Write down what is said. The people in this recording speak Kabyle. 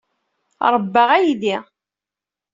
Ṛebbaɣ aydi.